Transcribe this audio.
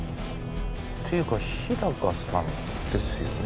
ていうか日高さんですよね？